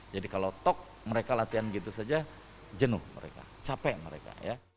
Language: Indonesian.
jadi kalau tok mereka latihan gitu saja jenuh mereka capek mereka